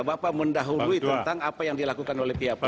bapak mendahului tentang apa yang dilakukan oleh pihak pihak